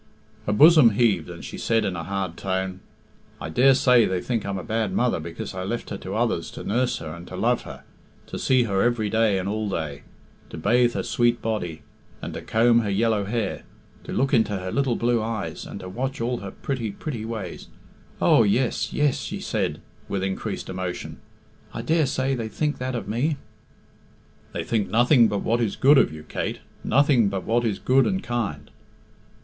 Her bosom heaved, and she said in a hard tone, "I daresay they think I'm a bad mother because I left her to others to nurse her and to love her, to see her every day and all day, to bathe her sweet body, and to comb her yellow hair, to look into her little blue eyes, and to watch all her pretty, pretty ways Oh, yes, yes." she said, with increasing emotion, "I daresay they think that of me." "They think nothing but what is good of you, Kate nothing but what is good and kind."